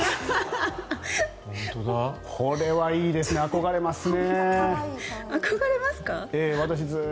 これはいいですね憧れますね。